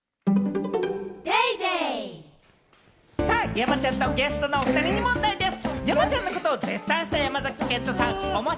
山ちゃんとゲストの２人に問題です。